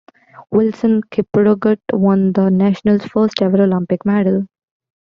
Wilson Kiprugut won the nation's first ever Olympic medal.